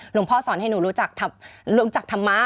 พ่อสอนให้หนูรู้จักธรรมะ